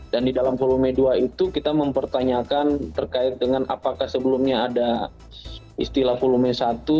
dan di dalam volume dua itu kita mempertanyakan terkait dengan apakah sebelumnya ada istilah volume satu